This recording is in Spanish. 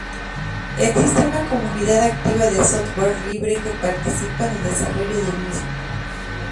Existe una comunidad activa de Software Libre que participa en el desarrollo del mismo.